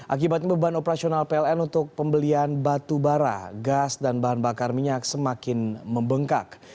akibat beban operasional pln untuk pembelian batu bara gas dan bahan bakar minyak semakin membengkak